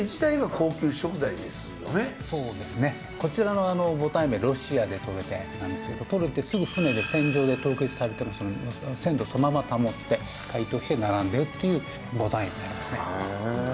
そうですねこちらのぼたん海老はロシアで獲れたやつなんですけど獲れてすぐ船で船上で凍結されてますので鮮度そのまま保って解凍して並んでるっていうぼたん海老なんですね。